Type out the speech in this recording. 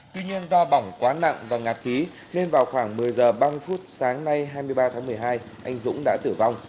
tuy nhiên do bỏng quá nặng và ngạt khí nên vào khoảng một mươi h ba mươi phút sáng nay hai mươi ba tháng một mươi hai anh dũng đã tử vong